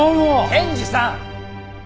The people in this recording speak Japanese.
検事さん！